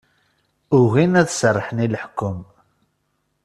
Ugin ad serrḥen i leḥkem.